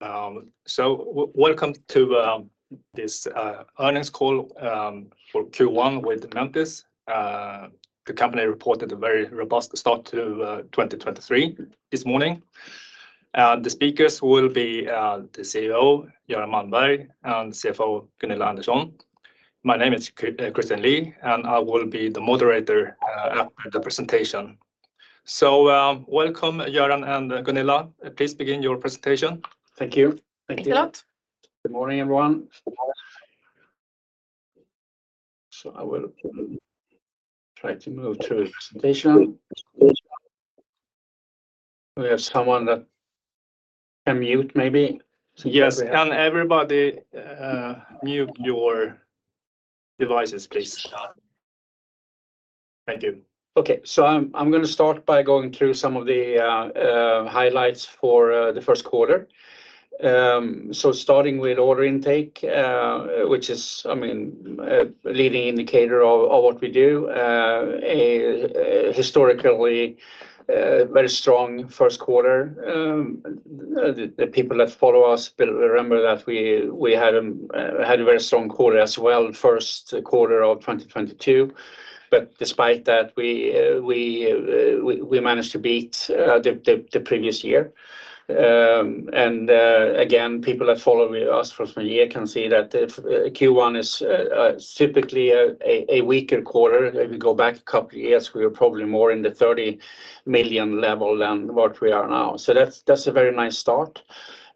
Welcome to this earnings call for Q1 with Mentice. The company reported a very robust start to 2023 this morning. The speakers will be the CEO, Göran Malmberg, and CFO, Gunilla Andersson. My name is Christian Lee, and I will be the moderator after the presentation. Welcome, Göran and Gunilla. Please begin your presentation. Thank you. Thank you. Thank you a lot. Good morning, everyone. I will try to move to the presentation. We have someone that can mute maybe. Yes. Can everybody mute your devices, please? Thank you. I'm gonna start by going through some of the highlights for the first quarter. Starting with order intake, which is, I mean, a leading indicator of what we do. A historically very strong first quarter. The people that follow us will remember that we had a very strong quarter as well first quarter of 2022. Despite that, we managed to beat the previous year. Again, people that follow us for some year can see that if Q1 is typically a weaker quarter, if we go back a couple years, we're probably more in the 30 million level than what we are now. That's a very nice start.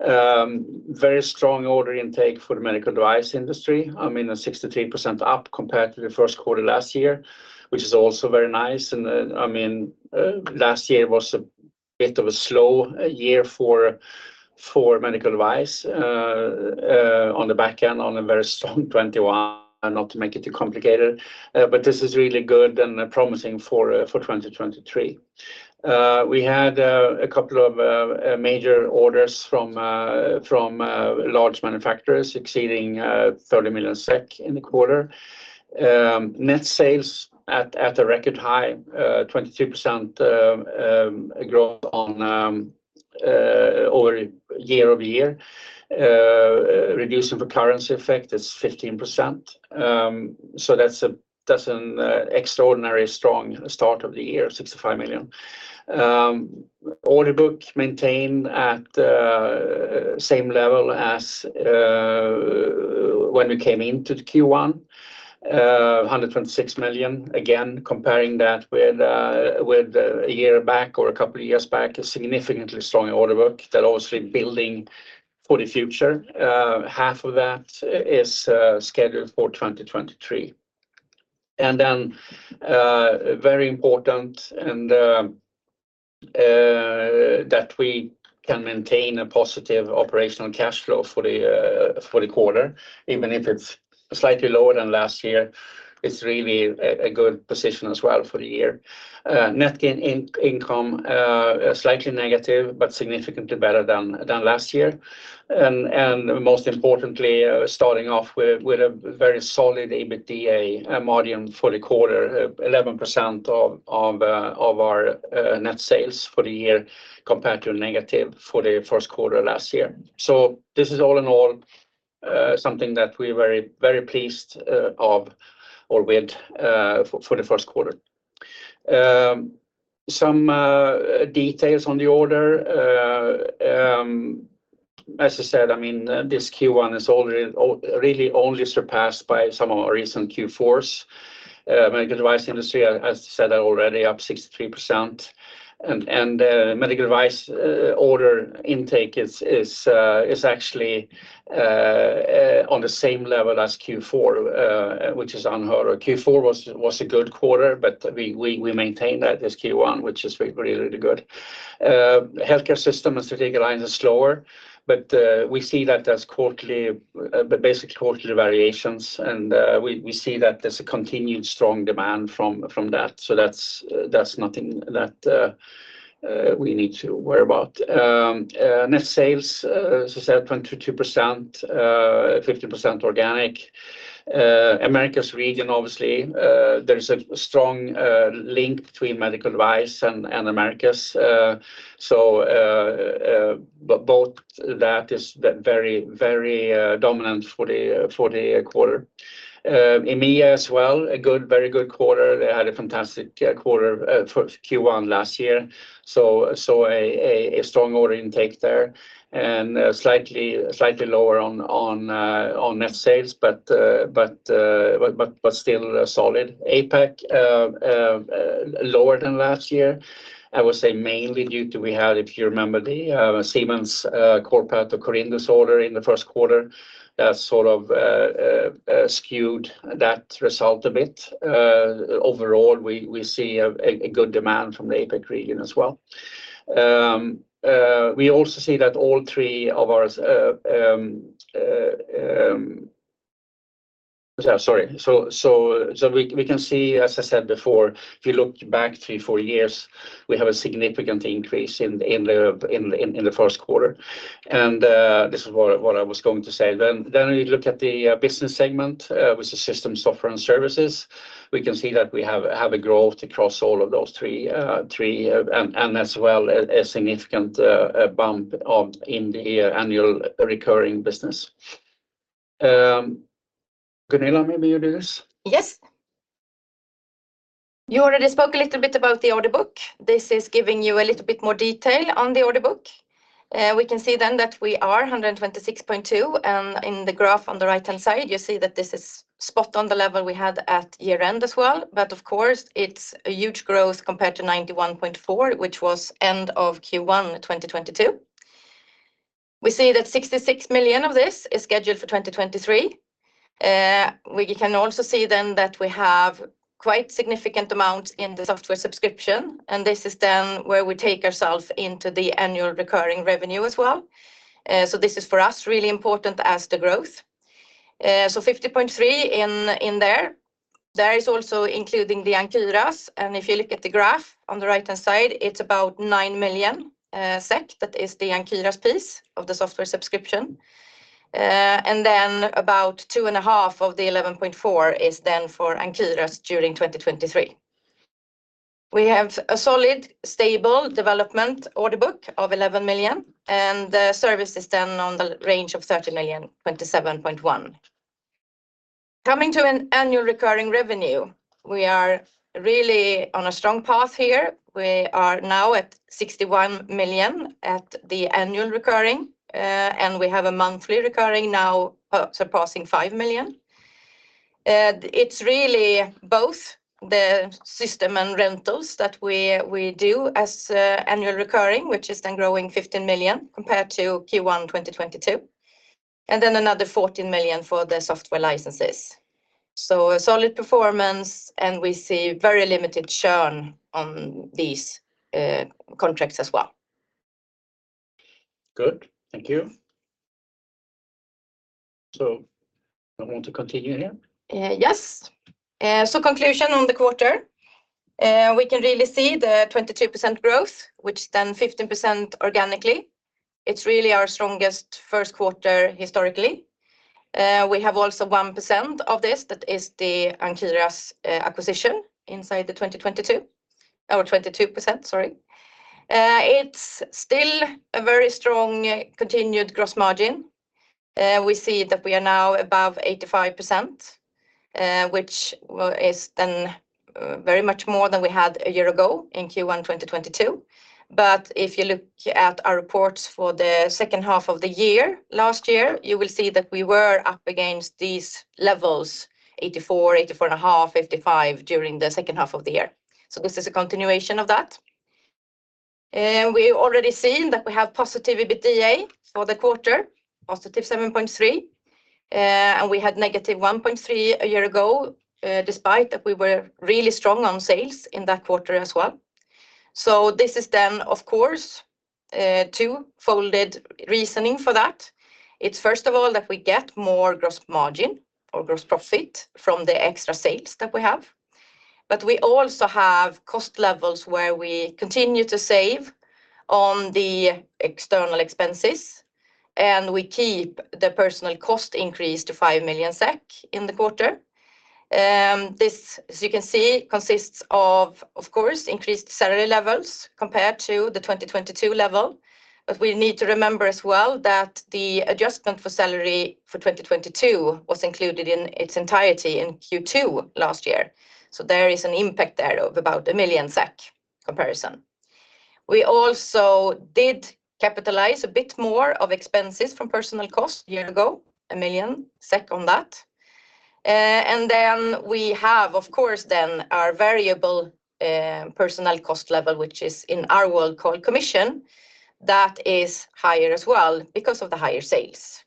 Very strong order intake for the medical device industry. I mean, a 63% up compared to the first quarter last year, which is also very nice. I mean, last year was a bit of a slow year for medical device on the back end on a very strong 2021, not to make it too complicated. This is really good and promising for 2023. We had a couple of major orders from large manufacturers exceeding 30 million SEK in the quarter. Net sales at a record high, 22% growth on year-over-year. Reducing the currency effect is 15%. That's an extraordinary strong start of the year, 65 million. Order book maintained at same level as when we came into the Q1, 126 million. Again, comparing that with a year back or a couple of years back, a significantly strong order book. They're obviously building for the future. Half of that is scheduled for 2023. Very important and that we can maintain a positive operational cash flow for the quarter, even if it's slightly lower than last year. It's really a good position as well for the year. Net gain in-income, slightly negative, but significantly better than last year. Most importantly, starting off with a very solid EBITDA margin for the quarter, 11% of our net sales for the year compared to negative for the first quarter last year. This is all in all something that we're very pleased of or with for the first quarter. Some details on the order. As I said, I mean, this Q1 is really only surpassed by some of our recent Q4s. Medical device industry, as I said already, up 63%. Medical device order intake is actually on the same level as Q4, which is unheard of. Q4 was a good quarter, but we maintained that as Q1, which is very, really good. Healthcare system and strategic alliance is slower, but we see that as quarterly, basic quarterly variations. We see that there's a continued strong demand from that. That's nothing that we need to worry about. Net sales, as I said, 22%, 50% organic. Americas region, obviously, there is a strong link between medical device and Americas. But both that is very dominant for the quarter. EMEA as well, a good, very good quarter. They had a fantastic quarter for Q1 last year. A strong order intake there and slightly lower on net sales, but still solid. APAC, lower than last year. I would say mainly due to we had, if you remember, the Siemens corporate Corindus order in the first quarter that sort of skewed that result a bit. Overall, we see a good demand from the APAC region as well. We can see, as I said before, if you look back three, four years, we have a significant increase in the first quarter. This is what I was going to say. You look at the business segment, which is system software and services. We can see that we have a growth across all of those three, and as well a significant bump of in the annual recurring business. Gunilla, maybe you do this. Yes. You already spoke a little bit about the order book. This is giving you a little bit more detail on the order book. We can see then that we are 126.2, and in the graph on the right-hand side, you see that this is spot on the level we had at year-end as well. Of course, it's a huge growth compared to 91.4, which was end of Q1, 2022. We see that 66 million of this is scheduled for 2023. We can also see then that we have quite significant amounts in the software subscription. This is then where we take ourselves into the annual recurring revenue as well. This is for us really important as the growth. 50.3 in there. There is also including the Ankyras. If you look at the graph on the right-hand side, it's about 9 million SEK. That is the Ankyras piece of the software subscription. About 2.5 million of the 11.4 million is then for Ankyras during 2023. We have a solid, stable development order book of 11 million. The service is then on the range of 30 million, 27.1. Coming to an annual recurring revenue, we are really on a strong path here. We are now at 61 million at the annual recurring. We have a monthly recurring now, surpassing 5 million. It's really both the system and rentals that we do as annual recurring, which is then growing 15 million compared to Q1 2022. Another 14 million for the software licenses. A solid performance, and we see very limited churn on these contracts as well. Good. Thank you. I want to continue here. Conclusion on the quarter. We can really see the 22% growth, which 15% organically. It's really our strongest first quarter historically. We have also 1% of this that is the Ankyras acquisition inside the 2022 or 22%, sorry. It's still a very strong continued gross margin. We see that we are now above 85%, which is very much more than we had a year ago in Q1, 2022. If you look at our reports for the second half of the year last year, you will see that we were up against these levels, 84% and a half, 55% during the second half of the year. This is a continuation of that. We already seen that we have positive EBITDA for the quarter, positive 7.3 million, and we had -1.3 million a year ago, despite that we were really strong on sales in that quarter as well. This is then, of course, a two-folded reasoning for that. It's first of all that we get more gross margin or gross profit from the extra sales that we have. We also have cost levels where we continue to save on the external expenses, and we keep the personal cost increase to 5 million SEK in the quarter. This, as you can see, consists of course, increased salary levels compared to the 2022 level. We need to remember as well that the adjustment for salary for 2022 was included in its entirety in Q2 last year. There is an impact there of about 1 million SEK comparison. We also did capitalize a bit more of expenses from personal cost a year ago, 1 million SEK on that. Then we have, of course, then our variable personal cost level, which is in our world called commission, that is higher as well because of the higher sales.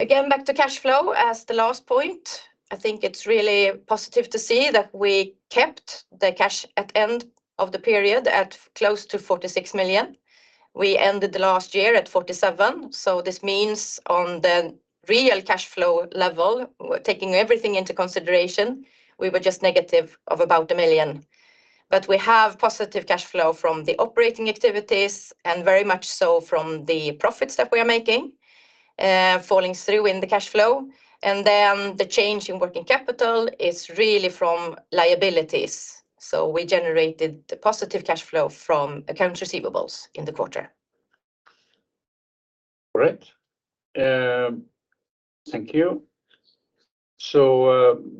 Again, back to cash flow as the last point. I think it's really positive to see that we kept the cash at end of the period at close to 46 million. We ended the last year at 47 million. This means on the real cash flow level, taking everything into consideration, we were just negative of about 1 million. We have positive cash flow from the operating activities and very much so from the profits that we are making, falling through in the cash flow. The change in working capital is really from liabilities. We generated the positive cash flow from accounts receivables in the quarter. All right. Thank you.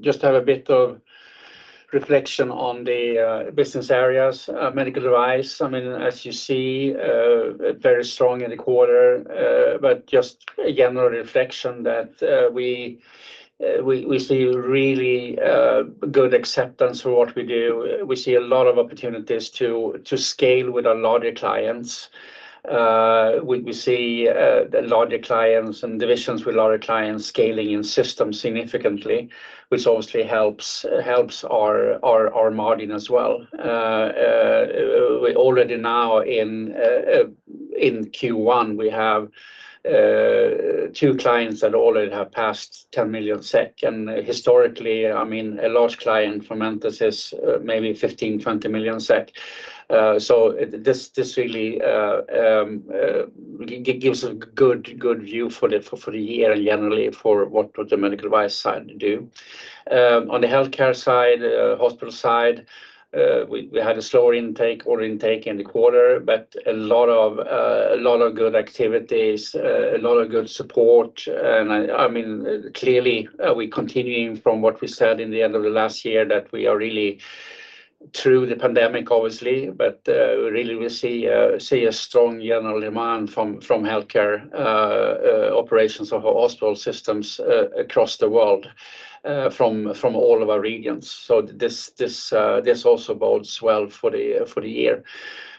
Just have a bit of reflection on the business areas, medical device. I mean, as you see, very strong in the quarter, but just a general reflection that we see really good acceptance for what we do. We see a lot of opportunities to scale with our larger clients. We see larger clients and divisions with larger clients scaling in systems significantly, which obviously helps our margin as well. We already now in Q1, we have two clients that already have passed 10 million SEK. Historically, I mean, a large client, for Mentice, says maybe 15 million SEK-20 million SEK. This really gives a good view for the year generally for what the medical device side do. On the healthcare side, hospital side, we had a slower intake, order intake in the quarter, but a lot of good activities, a lot of good support. I mean, clearly, we're continuing from what we said in the end of the last year that we are really through the pandemic, obviously. Really we see a strong general demand from healthcare operations of hospital systems across the world from all of our regions. This also bodes well for the year.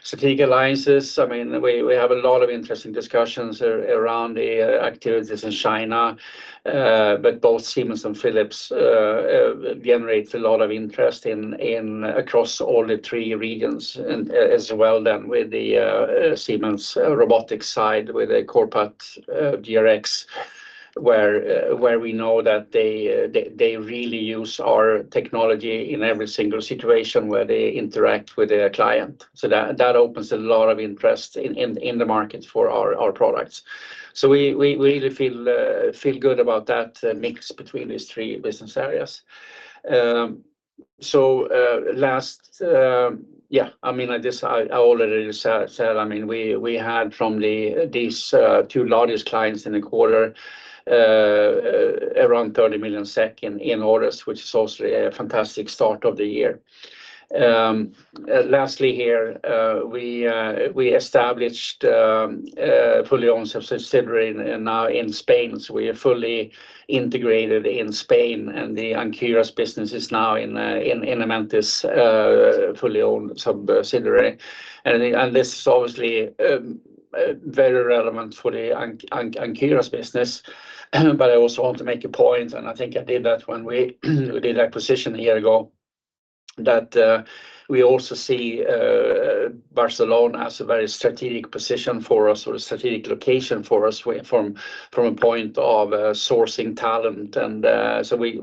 Strategic alliances, I mean, we have a lot of interesting discussions around the activities in China. Both Siemens and Philips generates a lot of interest in across all the three regions. As well then with the Siemens robotic side with the CorPath GRX, where we know that they really use our technology in every single situation where they interact with a client. That opens a lot of interest in the market for our products. We really feel good about that mix between these three business areas. Last, yeah, I mean, I just, I already said, I mean, we had from the these two largest clients in the quarter, around 30 million SEK in orders, which is also a fantastic start of the year. lastly here, we established a fully owned subsidiary now in Spain. We are fully integrated in Spain, and the Ankyras business is now in Mentice fully owned subsidiary. This is obviously very relevant for the Ankyras business. I also want to make a point, and I think I did that when we did acquisition a year ago, that we also see Barcelona as a very strategic position for us or a strategic location for us from a point of sourcing talent.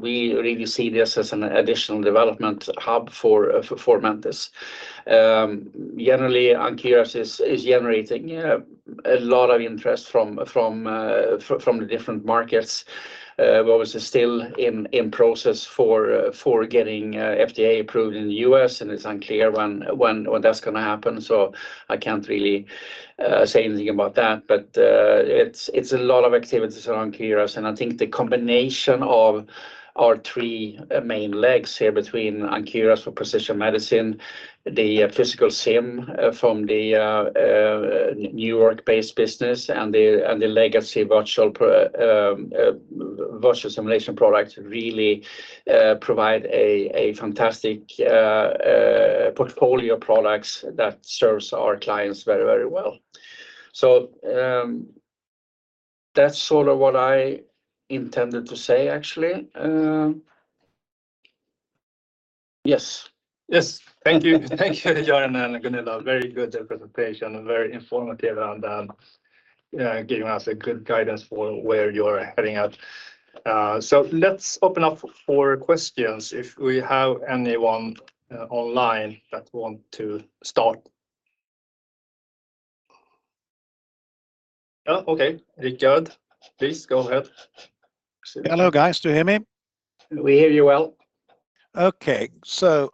We really see this as an additional development hub for Mentice. Generally, Ankyras is generating, yeah, a lot of interest from the different markets, but we're still in process for getting FDA approved in the U.S., and it's unclear when that's gonna happen. I can't really say anything about that. It's a lot of activities around Ankyras, and I think the combination of our three main legs here between Ankyras for precision medicine, the physical sim from the New York-based business, and the legacy virtual simulation product really provide a fantastic portfolio of products that serves our clients very, very well. That's sort of what I intended to say, actually. Yes. Yes. Thank you. Thank you, Göran and Gunilla. Very good presentation and very informative and giving us a good guidance for where you're heading at. Let's open up for questions if we have anyone online that want to start. Okay. Rickard, please go ahead. Hello, guys. Do you hear me? We hear you well.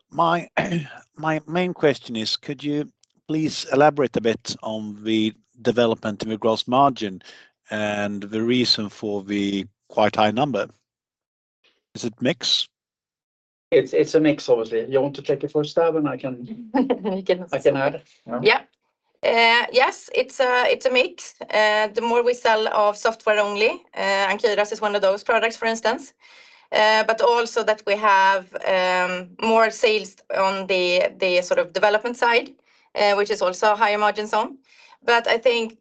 My main question is could you please elaborate a bit on the development of your gross margin and the reason for the quite high number? Is it mix? It's a mix, obviously. You want to take it first stab. He. I can add. Yeah. Yes, it's a mix. The more we sell of software only, Ankyras is one of those products, for instance. Also that we have more sales on the sort of development side, which is also a higher margin zone. I think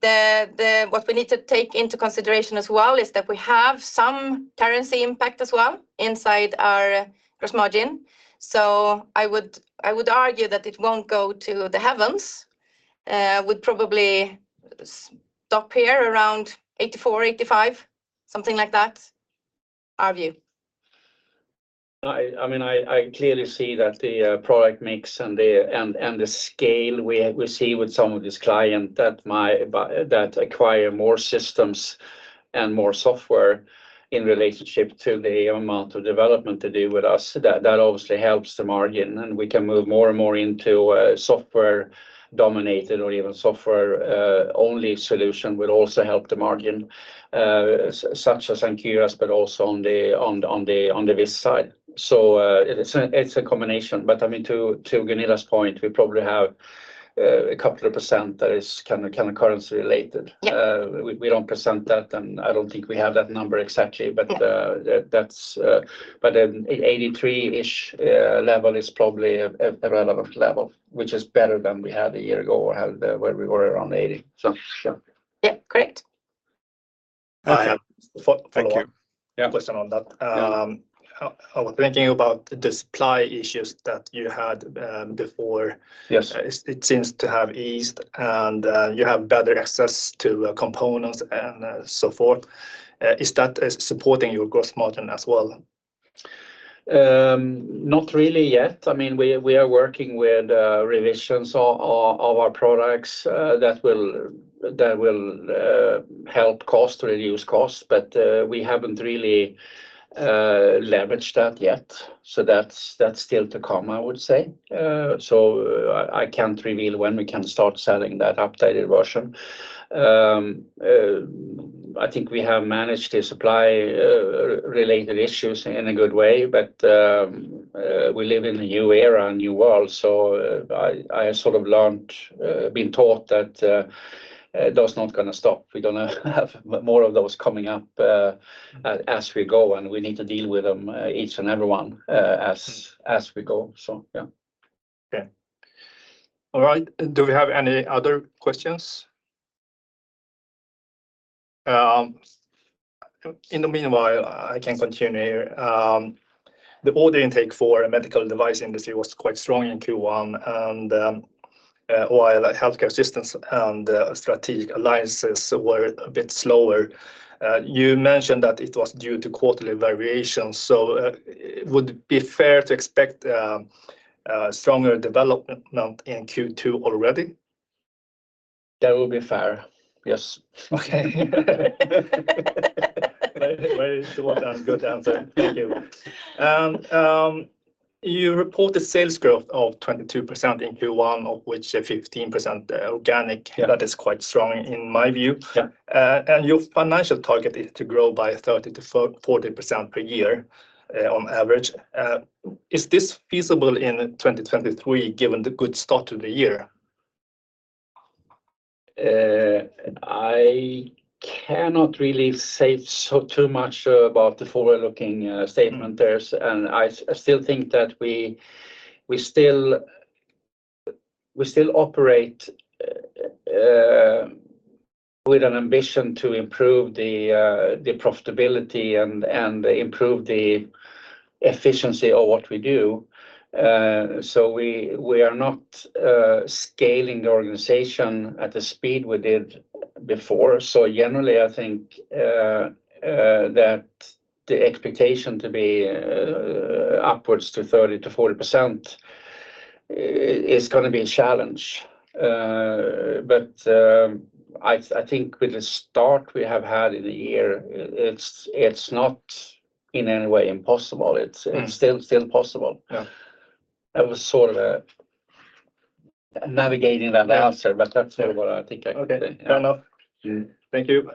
what we need to take into consideration as well is that we have some currency impact as well inside our gross margin. I would, I would argue that it won't go to the heavens, would probably stop here around 84%-85%, something like that, our view. I mean, I clearly see that the product mix and the, and the scale we see with some of this client that acquire more systems and more software in relationship to the amount of development they do with us, that obviously helps the margin. We can move more and more into software-dominated or even software only solution will also help the margin, such as Ankyras, but also on the VIST side. It's a combination. I mean, to Gunilla's point, we probably have a couple of % that is kinda currency related. Yeah. We don't present that, and I don't think we have that number exactly. Yeah. That's, but an 83%-ish level is probably a relevant level, which is better than we had a year ago or had where we were around 80%. Sure. Yeah. Correct. Okay. I have. Yeah. Question on that? I was thinking about the supply issues that you had before. Yes. It seems to have eased, and you have better access to components and so forth. Is that supporting your gross margin as well? Not really yet. I mean, we are working with revisions of our products, that will reduce costs, but we haven't really leveraged that yet. That's still to come, I would say. I can't reveal when we can start selling that updated version. I think we have managed the supply related issues in a good way, but we live in a new era, a new world. I sort of learned, been taught that that's not gonna stop. We're gonna have more of those coming up as we go, and we need to deal with them each and every one as we go. Yeah. Okay. All right. Do we have any other questions? In the meanwhile, I can continue here. The order intake for medical device industry was quite strong in Q1, while healthcare systems and strategic alliances were a bit slower, you mentioned that it was due to quarterly variations. Would it be fair to expect stronger development now in Q2 already? That would be fair, yes. Okay. Very, very short and good answer. Thank you. You reported sales growth of 22% in Q1, of which 15% organic. Yeah. That is quite strong in my view. Yeah. Your financial target is to grow by 30%-40% per year, on average. Is this feasible in 2023, given the good start to the year? y too much about the forward-looking statement there. I still think that we still operate with an ambition to improve the profitability and improve the efficiency of what we do. We are not scaling the organization at the speed we did before. Generally, I think that the expectation to be upwards to 30%-40% is going to be a challenge. But I think with the start we have had in the year, it is not in any way impossible. It is Mm. It's still possible. Yeah. That was sort of, navigating that answer, but that's sort of what I think I can say. Okay. Fair enough. Thank you.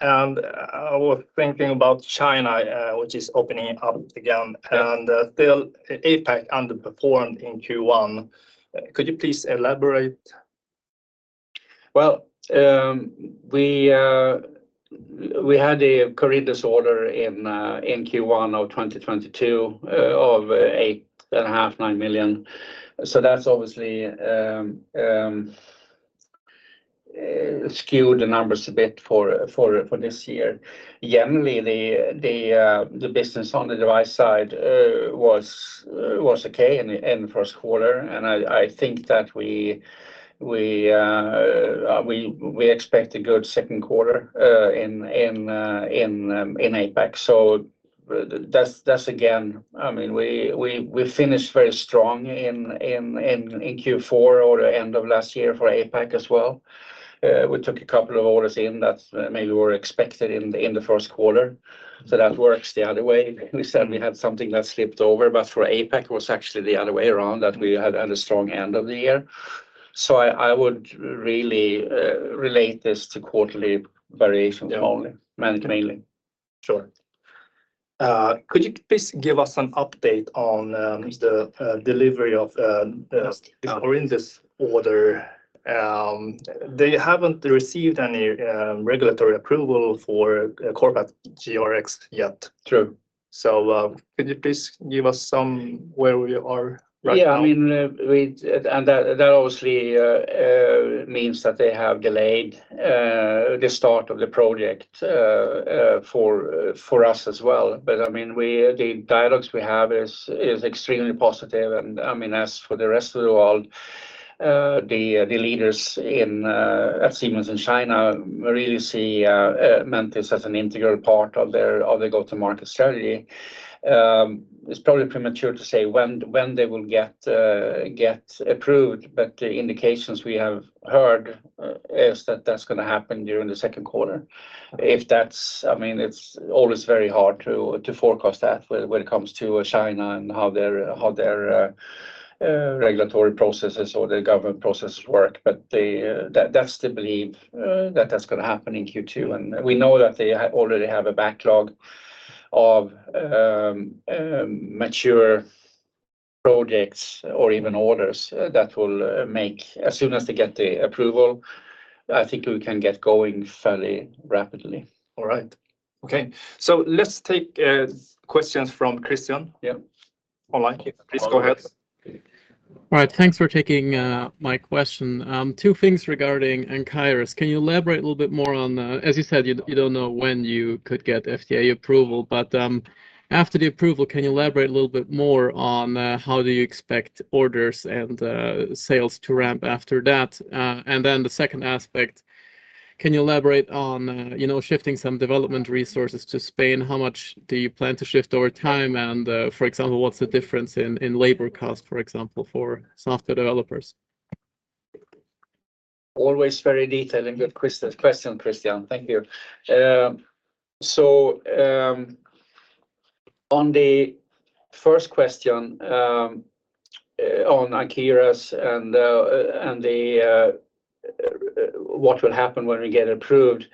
I was thinking about China, which is opening up again. Yeah. Still APAC underperformed in Q1. Could you please elaborate? Well, we had a Corindus order in Q1 of 2022, of eight and a half, 9 million. That's obviously skewed the numbers a bit for this year. Generally, the business on the device side was okay in the first quarter, and I think that we expect a good second quarter in APAC. That's again, I mean, we finished very strong in Q4 or the end of last year for APAC as well. We took a couple of orders in that maybe were expected in the first quarter, so that works the other way. We certainly had something that slipped over, for APAC, it was actually the other way around, that we had had a strong end of the year. I would really relate this to quarterly variation only. Yeah. Mainly. Sure. Could you please give us an update on the delivery of Corindus order? They haven't received any regulatory approval for CorPath GRX yet. True. Could you please give us some where we are right now? I mean, that obviously means that they have delayed the start of the project for us as well. I mean, the dialogues we have is extremely positive. I mean, as for the rest of the world, the leaders at Siemens in China really see Mentice as an integral part of their go-to-market strategy. It's probably premature to say when they will get approved, but the indications we have heard is that that's gonna happen during the second quarter. I mean, it's always very hard to forecast that when it comes to China and how their regulatory processes or their government process work. That's the belief that that's gonna happen in Q2. We know that they already have a backlog of mature projects or even orders that will make as soon as they get the approval, I think we can get going fairly rapidly. All right. Okay. let's take questions from Christian. Yeah. Online. Please go ahead. All right. All right. Thanks for taking my question. Two things regarding Ankyras. Can you elaborate a little bit more on... As you said, you don't know when you could get FDA approval, but after the approval, can you elaborate a little bit more on how do you expect orders and sales to ramp after that? The second aspect, can you elaborate on, you know, shifting some development resources to Spain? How much do you plan to shift over time? For example, what's the difference in labor cost, for example, for software developers? Always very detailed and good question, Christian. Thank you. On the first question, on Ankyras and the what will happen when we get approved,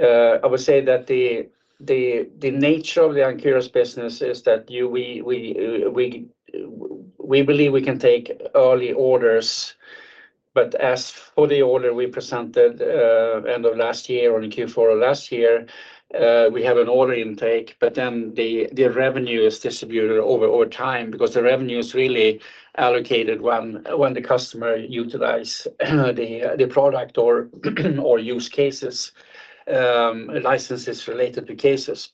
I would say that the nature of the Ankyras business is that we believe we can take early orders. As for the order we presented end of last year or in Q4 of last year, we have an order intake, then the revenue is distributed over time because the revenue is really allocated when the customer utilize the product or use cases, licenses related to cases.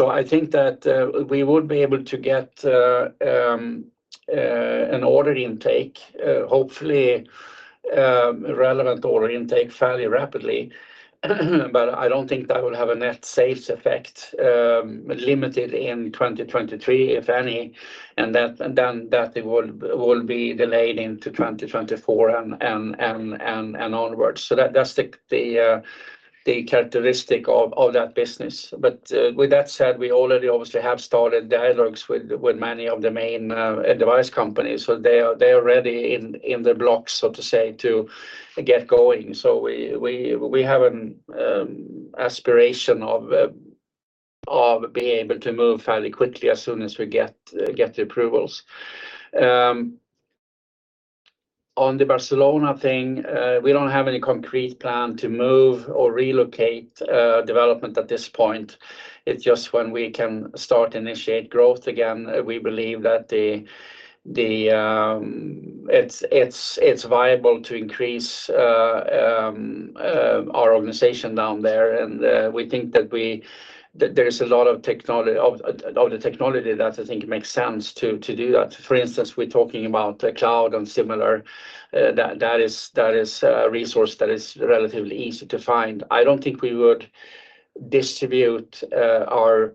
I think that we would be able to get an order intake, hopefully, relevant order intake fairly rapidly, but I don't think that will have a net sales effect, limited in 2023, if any, and then that it will be delayed into 2024 and onwards. That's the characteristic of that business. With that said, we already obviously have started dialogues with many of the main device companies. They are ready in the blocks, so to say, to get going. We have an aspiration of being able to move fairly quickly as soon as we get the approvals. On the Barcelona thing, we don't have any concrete plan to move or relocate development at this point. It's just when we can start initiate growth again, we believe that the it's viable to increase our organization down there. We think that there is a lot of technology of the technology that I think makes sense to do that. For instance, we're talking about cloud and similar, that is a resource that is relatively easy to find. I don Gunilla, I think we would distribute our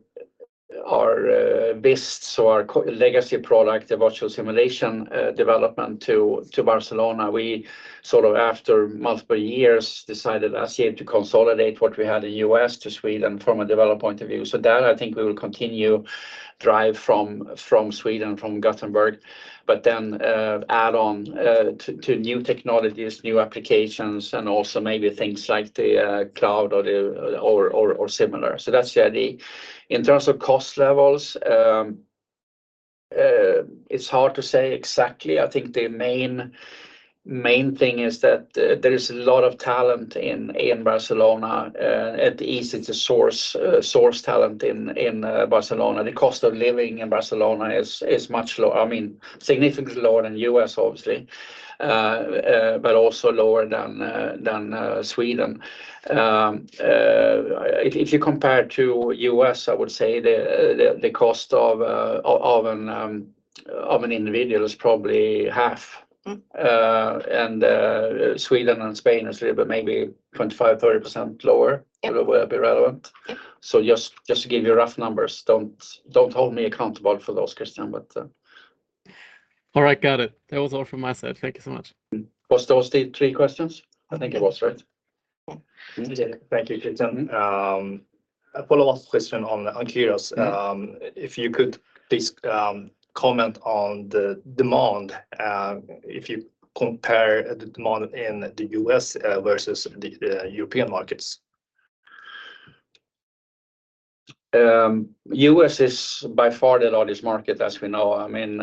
VIST, so our legacy product, the virtual simulation development to Barcelona. We sort of after multiple years decided as yet to consolidate what we had in the U.S. to Sweden from a developer point of view. That I think we will continue drive from Sweden, from Gothenburg, but then add on to new technologies, new applications, and also maybe things like the cloud or the or similar. That's the idea. In terms of cost levels, it's hard to say exactly. I think the main thing is that there is a lot of talent in Barcelona. It is easy to source talent in Barcelona. The cost of living in Barcelona is much lower. I mean, significantly lower than U.S., obviously, but also lower than Sweden. If you compare to U.S., I would say the cost of an individual is probably half. Mm. Sweden and Spain is a little bit maybe 25%-30% lower... Yeah. if it will be relevant. Yeah. Just to give you rough numbers. Don't hold me accountable for those, Christian. All right. Got it. That was all from my side. Thank you so much. Was those the three questions? I think it was, right? Mm-hmm. Yeah. Thank you, Christian. A follow-up question on Ankyras. Mm-hmm. If you could please, comment on the demand, if you compare the demand in the U.S., versus the European markets. U.S. is by far the largest market as we know. I mean,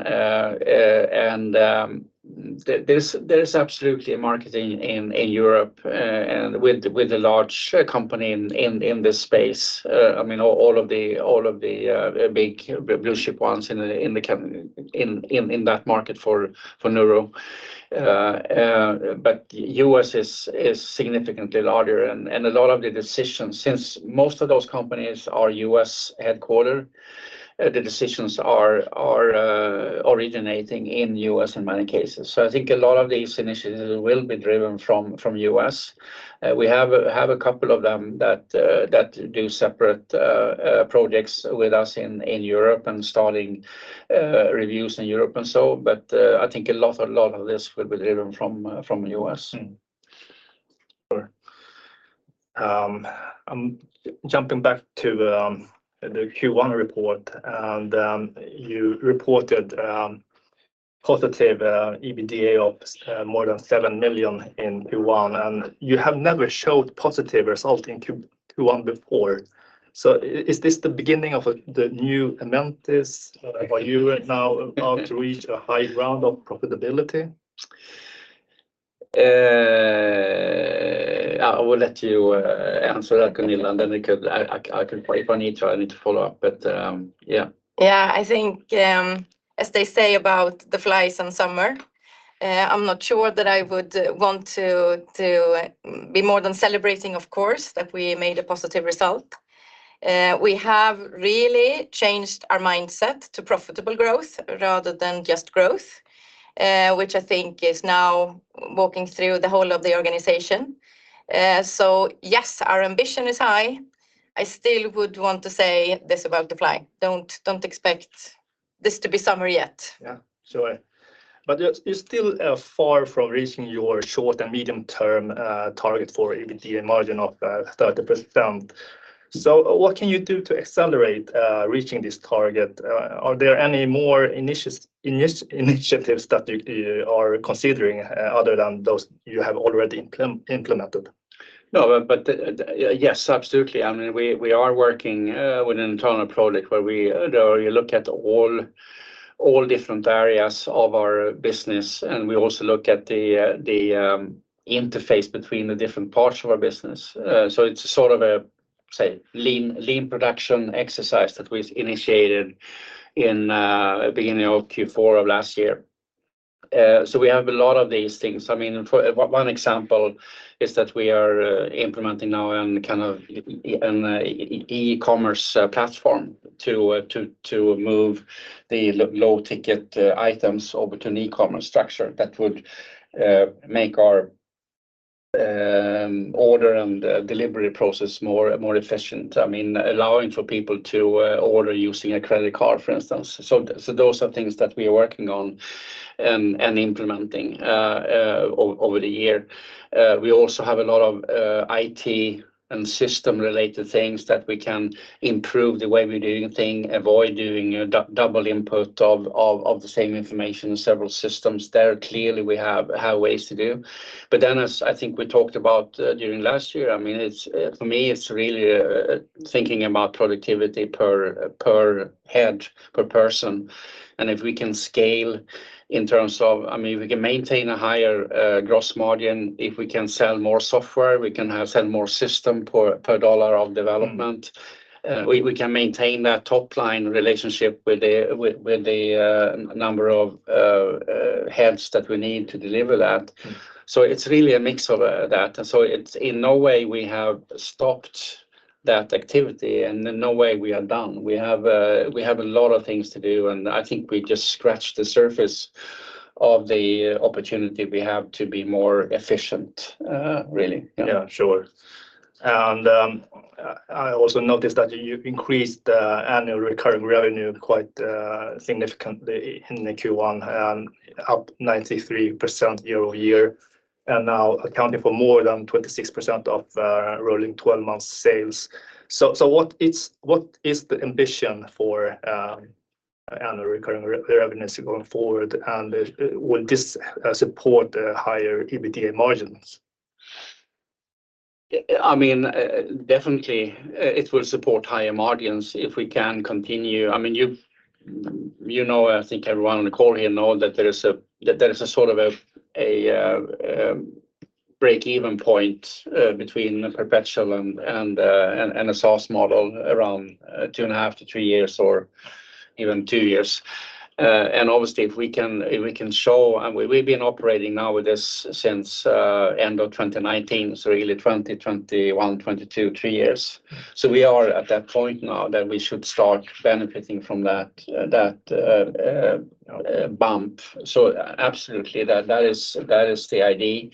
there's absolutely a market in Europe, and with a large company in this space. I mean, all of the big blue chip ones in the company, in that market for neuro. U.S. is significantly larger and a lot of the decisions, since most of those companies are U.S. headquartered, the decisions are originating in U.S. in many cases. I think a lot of these initiatives will be driven from U.S. We have a couple of them that do separate projects with us in Europe and starting reviews in Europe. I think a lot of this will be driven from US. Mm-hmm. Sure. I'm jumping back to the Q1 report. You reported positive EBITDA of more than 7 million in Q1. You have never showed positive result in Q1 before. Is this the beginning of a new Mentice? Are you right now about to reach a high ground of profitability? I will let you answer that, Gunilla. Then I could, I can if I need to, I need to follow up. Yeah. Yeah. I think, as they say about the flies in summer, I'm not sure that I would want to be more than celebrating, of course, that we made a positive result. We have really changed our mindset to profitable growth rather than just growth, which I think is now walking through the whole of the organization. Yes, our ambition is high. I still would want to say this about the fly. Don't expect this to be summer yet. Yeah. Sure. You're still far from reaching your short and medium-term target for EBITDA margin of 30%. What can you do to accelerate reaching this target? Are there any more initiatives that you are considering other than those you have already implemented? Yes, absolutely. I mean, we are working with an internal project where we, where you look at all different areas of our business, and we also look at the interface between the different parts of our business. It's sort of a lean production exercise that we've initiated in beginning of Q4 of last year. We have a lot of these things. I mean, one example is that we are implementing now an e-commerce platform to move the low-ticket items over to an e-commerce structure that would make our order and delivery process more efficient. I mean, allowing for people to order using a credit card, for instance. Those are things that we're working on and implementing over the year. We also have a lot of IT and system-related things that we can improve the way we're doing things, avoid doing, you know, double input of the same information in several systems. There clearly we have ways to do. As I think we talked about during last year, I mean, it's for me, it's really thinking about productivity per head, per person, and if we can scale in terms of... I mean, if we can maintain a higher gross margin, if we can sell more software, we can sell more system per $ of development- Mm-hmm... we can maintain that top-line relationship with the number of heads that we need to deliver that. Mm-hmm. It's really a mix of that. It's in no way we have stopped that activity, and in no way we are done. We have a lot of things to do, and I think we just scratched the surface of the opportunity we have to be more efficient, really. Yeah. Sure. I also noticed that you increased annual recurring revenue quite significantly in the Q1, up 93% year-over-year and now accounting for more than 26% of rolling 12-month sales. What is the ambition for annual recurring revenues going forward, and will this support higher EBITDA margins? I mean, definitely, it will support higher margins if we can continue. I mean, you know, I think everyone on the call here know that there is a sort of a break-even point between perpetual and a SaaS model around 2.5-3 years or even 2 years. Obviously, if we can show, we've been operating now with this since end of 2019, so really 2021, 2022, 2 years. We are at that point now that we should start benefiting from that bump. Absolutely, that is the idea.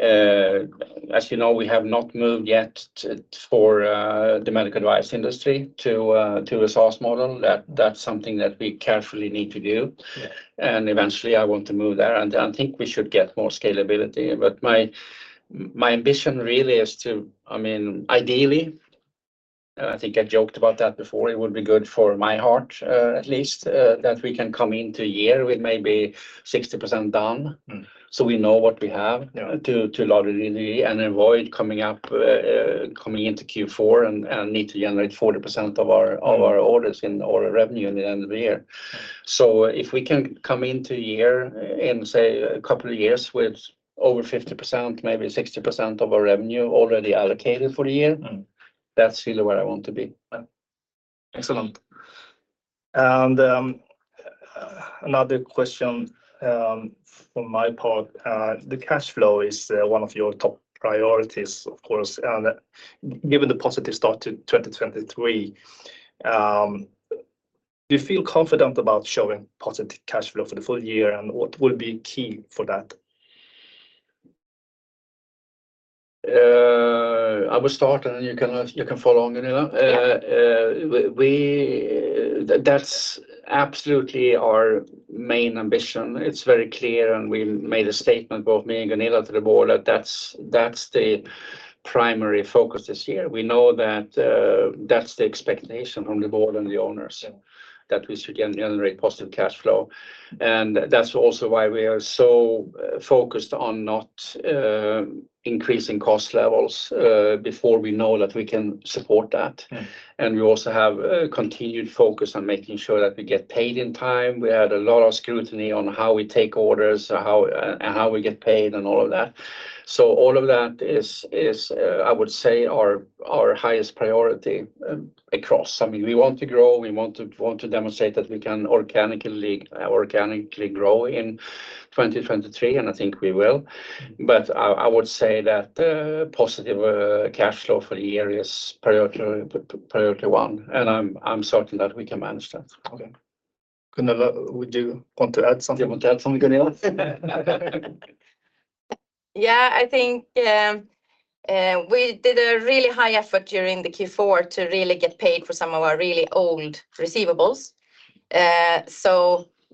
As you know, we have not moved yet for the medical device industry to a SaaS model. That's something that we carefully need to do. Yeah. Eventually, I want to move there, and I think we should get more scalability. My ambition really is to, I mean, ideally, and I think I joked about that before, it would be good for my heart, at least, that we can come into a year with maybe 60%. Mm-hmm we know what we have... Yeah... to logically and avoid coming up, coming into Q4 and need to generate 40% of our orders in order revenue in the end of the year. If we can come into a year in, say, a couple of years with over 50%, maybe 60% of our revenue already allocated for the year- Mm-hmm that's really where I want to be. Excellent. Another question from my part. The cash flow is one of your top priorities, of course. Given the positive start to 2023, do you feel confident about showing positive cash flow for the full year, and what will be key for that? I will start, and you can follow on, Gunilla. Yeah. We. That's absolutely our main ambition. It's very clear. We made a statement, both me and Gunilla, to the board that that's the primary focus this year. We know that that's the expectation from the board and the owners. Yeah... that we should generate positive cash flow. That's also why we are so focused on not, increasing cost levels, before we know that we can support that. Mm-hmm. We also have a continued focus on making sure that we get paid in time. We had a lot of scrutiny on how we take orders, how we get paid and all of that. All of that is, I would say our highest priority across. I mean, we want to grow. We want to demonstrate that we can organically grow in 2023, and I think we will. I would say that positive cash flow for the year is priority one, and I'm certain that we can manage that. Okay. Gunilla, would you want to add something? You want to add something, Gunilla? I think, we did a really high effort during the Q4 to really get paid for some of our really old receivables.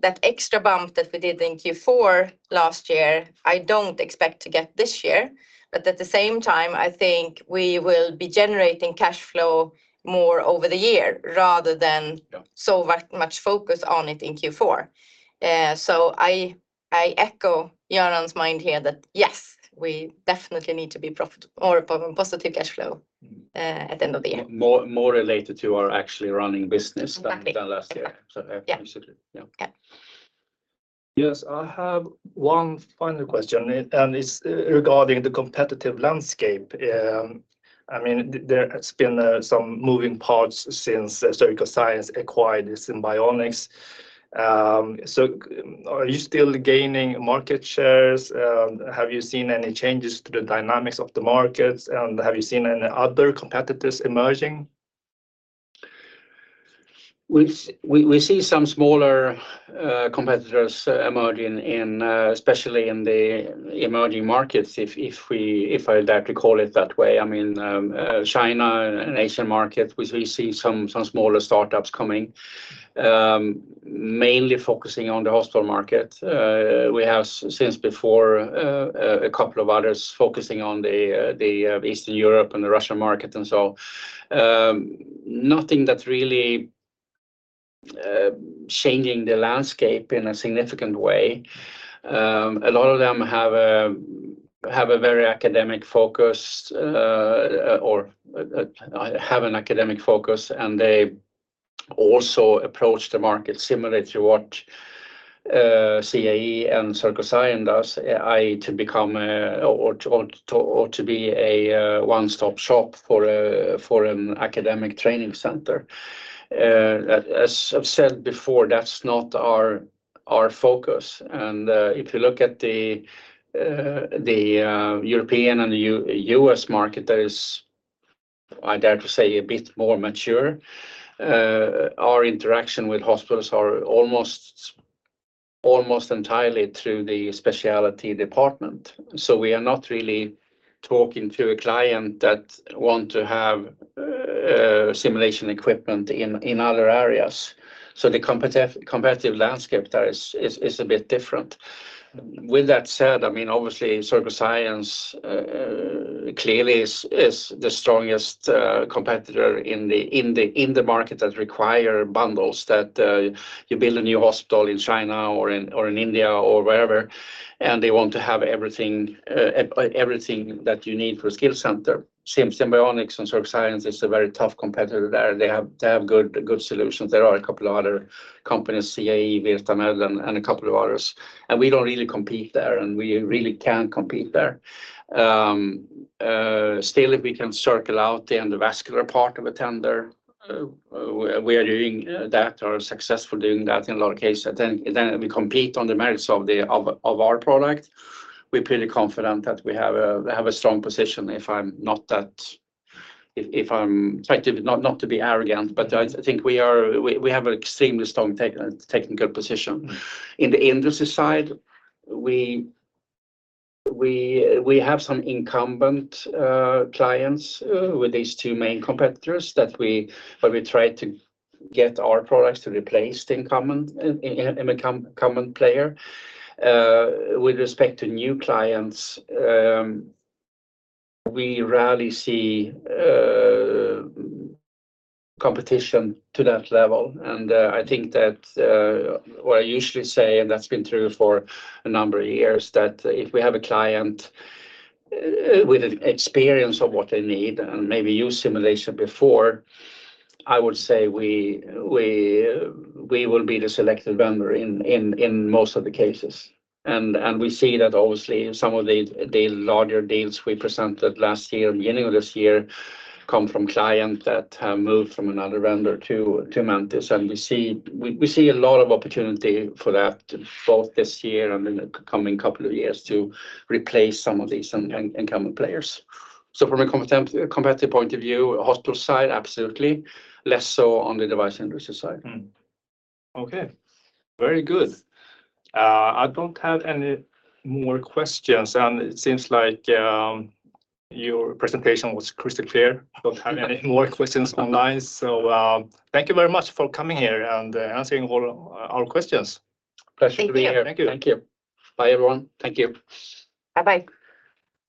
That extra bump that we did in Q4 last year, I don't expect to get this year. At the same time, I think we will be generating cash flow more over the year rather than. Yeah... so much focus on it in Q4. I echo Göran's mind here that, yes, we definitely need to be profit- or positive cash flow at the end of the year. More related to our actually running business. Exactly... than last year. yeah. Yeah. Yeah. Yes. I have one final question, and it's regarding the competitive landscape. I mean, there has been some moving parts since Surgical Science acquired Simbionix. Are you still gaining market shares? Have you seen any changes to the dynamics of the markets? Have you seen any other competitors emerging? We see some smaller competitors emerging in especially in the emerging markets if I dare to call it that way. I mean, China and Asian market, which we see some smaller startups coming, mainly focusing on the hospital market. We have since before a couple of others focusing on the Eastern Europe and the Russian market and so. Nothing that really changing the landscape in a significant way. A lot of them have a very academic focus or have an academic focus, and they also approach the market similarly to what CAE and Surgical Science does, i.e. to become or to be a one-stop shop for an academic training center. As I've said before, that's not our focus. If you look at the European and U.S. market that is, I dare to say, a bit more mature, our interaction with hospitals are almost entirely through the specialty department. We are not really talking to a client that want to have simulation equipment in other areas. The competitive landscape there is a bit different. With that said, I mean, obviously, Surgical Science clearly is the strongest competitor in the market that require bundles, that you build a new hospital in China or in India or wherever, and they want to have everything that you need for a skill center. Simbionix and Surgical Science is a very tough competitor there. They have good solutions. There are a couple of other companies, CAE, VirtaMed, and a couple of others. We don't really compete there, and we really can't compete there. Still, if we can circle out the endovascular part of a tender, we are doing that or successfully doing that in a lot of cases. Then we compete on the merits of our product. We're pretty confident that we have a strong position if I'm trying not to be arrogant, but I think we have an extremely strong technical position. In the industry side, we have some incumbent clients with these two main competitors where we try to get our products to replace the incumbent in the incumbent player. With respect to new clients, we rarely see competition to that level. I think that what I usually say, and that's been true for a number of years, that if we have a client with an experience of what they need and maybe used simulation before, I would say we will be the selected vendor in most of the cases. We see that obviously some of the larger deals we presented last year, beginning of this year, come from client that have moved from another vendor to Mentice. We see a lot of opportunity for that both this year and in the coming couple of years to replace some of these incumbent players. From a competitive point of view, hospital side, absolutely. Less so on the device industry side. Mm-hmm. Okay. Very good. I don't have any more questions, and it seems like your presentation was crystal clear. Don't have any more questions online. Thank you very much for coming here and answering all our questions. Pleasure to be here. Thank you. Thank you. Bye, everyone. Thank you. Bye-bye.